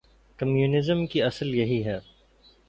Communism کی اصل یہی ہے۔